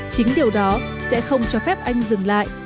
chính điều đó sẽ không cho phép anh dừng lại